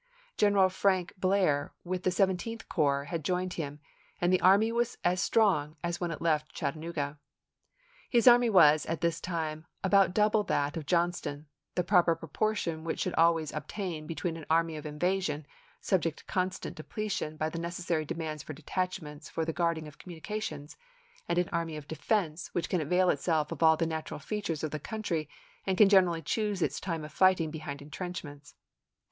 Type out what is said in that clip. Gren p.n."' eral Frank Blair with the Seventeenth Corps had joined him, and the army was as strong as when it left Chattanooga. His army was at this time about double that of Johnston, the proper propor tion which should always obtain between an army of invasion, subject to constant depletion by the necessary demands for detachments for the guard ing of communications, and an army of defense IKenner Garrard's cavalry at Rosswell and Cox's division of Schofield's army at Soap's Creek. 28 ABKAHAM LINCOLN chap. i. which can avail itself of all the natural features of the country and can generally choose its time of fighting behind intrenchments.